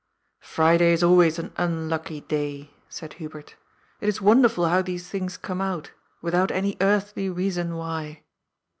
" Friday is always an unlucky day," said Hubert. " It is wonderful how these things come out, without any earthly reason why."